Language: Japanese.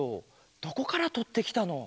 どこからとってきたの？